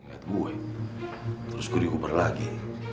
inget gue terus gue dikubur lagi